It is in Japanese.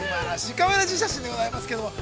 かわいらしい写真でございますけれども。